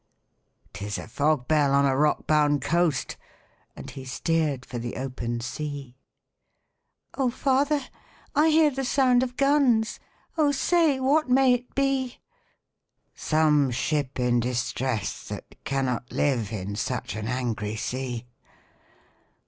''Tis a fog bell, on a rock bound coast!' And he steer'd for the open sea. 'O father! I hear the sound of guns, O say, what may it be?' 'Some ship in distress that cannot live In such an angry sea!'